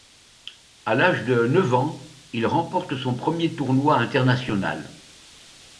À l'âge de neuf ans, il remporte son premier tournoi international.